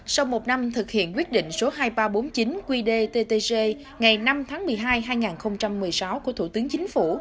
sau một năm thực hiện quyết định số hai nghìn ba trăm bốn mươi chín qdttg ngày năm tháng một mươi hai hai nghìn một mươi sáu của thủ tướng chính phủ